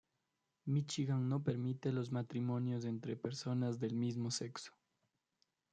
Michigan no permiten los matrimonios entre personas del mismo sexo.